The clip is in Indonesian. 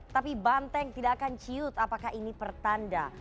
tapi banteng tidak akan ciut apakah ini pertanda